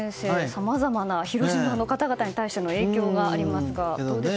さまざまな広島の方々に対しての影響がありますがどうでしょうか。